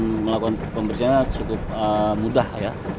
jadi kegiatan melakukan pembersihannya cukup mudah ya